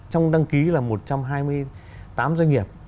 trong đăng ký là một trăm hai mươi tám doanh nghiệp